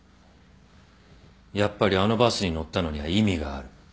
やっぱりあのバスに乗ったのには意味がある。